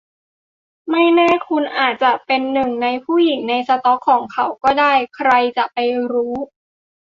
ไม่แน่คุณอาจจะเป็นหนึ่งในผู้หญิงในสต็อกของเขาก็ได้ใครจะไปรู้